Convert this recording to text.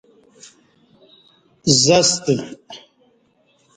زستہ